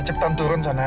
cepetan turun sana